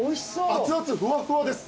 熱々ふわっふわです。